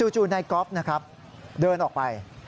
จู่นายกอล์ฟเดินออกไป